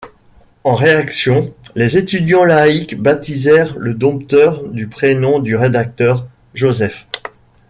En réaction, les étudiants laïcs baptisèrent le dompteur du prénom du rédacteur, Joseph.